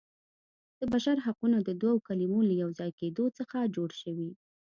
د بشر حقونه د دوو کلمو له یو ځای کیدو څخه جوړ شوي.